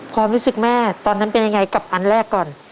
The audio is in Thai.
ความรู้สึกแม่ตอนนั้นเป็นยังไงกับอันแรกก่อน